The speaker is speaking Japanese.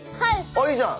あいいじゃん。